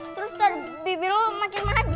ntar yang ada tuh ya pipi lo makin tembem kayak bakpao